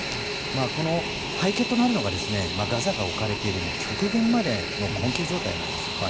この背景となるのがガザが置かれている極限までの困窮状態なんですね。